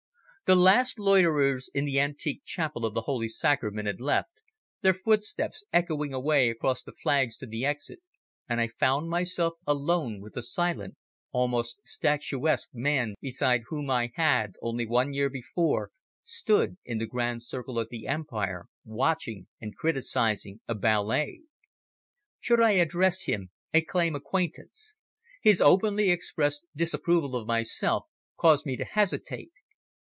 The last loiterers in the antique Chapel of the Holy Sacrament had left, their footsteps echoing away across the flags to the exit, and I found myself alone with the silent, almost statuesque, man beside whom I had, only one year before stood in the Grand Circle at the Empire watching and criticising a ballet. Should I address him and claim acquaintance? His openly expressed disapproval of myself caused me to hesitate.